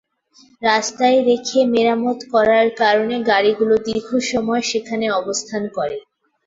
রাস্তায় রেখে মেরামত করার কারণে গাড়িগুলো দীর্ঘ সময় সেখানে অবস্থান করে।